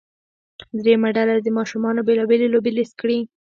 دریمه ډله دې د ماشومانو بیلا بېلې لوبې لیست کړي.